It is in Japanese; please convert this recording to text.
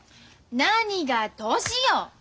何が年よ！